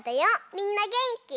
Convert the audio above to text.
みんなげんき？